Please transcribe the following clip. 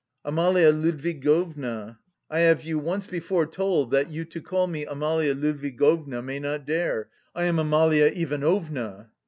"Amalia Ludwigovna..." "I have you once before told that you to call me Amalia Ludwigovna may not dare; I am Amalia Ivanovna."